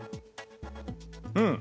うん。